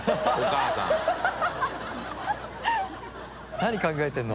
何考えてるの？